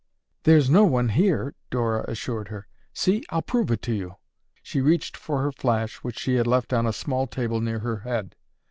"There's no one here," Dora assured her. "See, I'll prove it to you." She reached for her flash which she had left on a small table near her head.